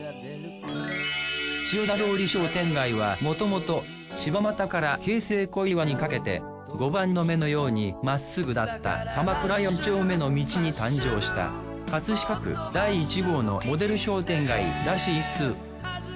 千代田通り商店街はもともと柴又から京成小岩にかけて碁盤の目のようにまっすぐだった鎌倉４丁目の道に誕生した飾区第１号のモデル商店街らしいっす。